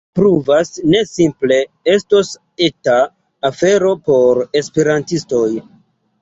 Ĝi pruvas ne simple estos eta afero por esperantistoj